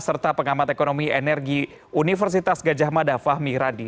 serta pengamat ekonomi energi universitas gajah mada fahmi radi